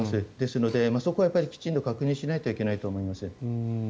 ですので、そこはきちんと確認しないといけないと思います。